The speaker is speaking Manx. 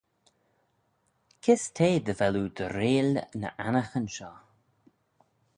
Kys t'eh dy vel oo dy 'reayll ny annaghyn shoh?